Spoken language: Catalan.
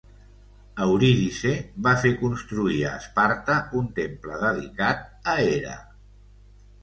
Eurídice va fer construir a Esparta un temple dedicat a Hera.